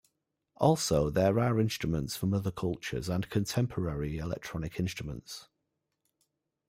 Also, there are instruments from other cultures and contemporary electronic instruments.